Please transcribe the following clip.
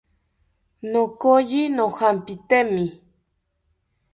Nokoyi nojampitemi